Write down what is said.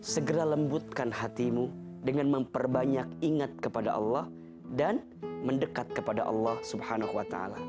segera lembutkan hatimu dengan memperbanyak ingat kepada allah dan mendekat kepada allah swt